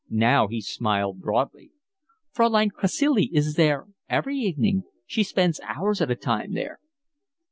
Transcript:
Now he smiled broadly. "Fraulein Cacilie is there every evening. She spends hours at a time there."